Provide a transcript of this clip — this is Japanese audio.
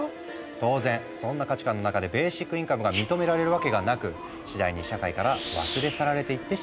当然そんな価値観の中でベーシックインカムが認められるわけがなく次第に社会から忘れ去られていってしまったんだ。